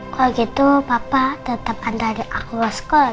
kalau gitu papa tetap antar di akun sekolah ma